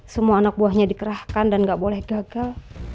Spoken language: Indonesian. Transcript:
semua anak buahnya dikerahkan dan nggak boleh gagal